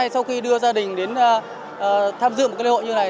sau khi đưa gia đình đến tham dự một lễ hội như này